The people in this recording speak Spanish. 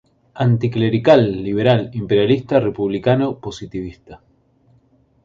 Anticlerical, liberal, imperialista, republicano, positivista.